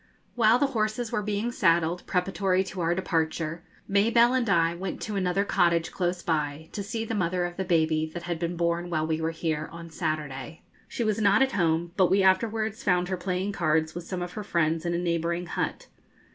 While the horses were being saddled preparatory to our departure, Mabelle and I went to another cottage close by, to see the mother of the baby that had been born while we were here on Saturday. She was not at home; but we afterwards found her playing cards with some of her friends in a neighbouring hut.